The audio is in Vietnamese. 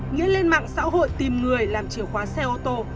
nghĩa lên mạng xã hội tìm người làm chìa khóa xe ô tô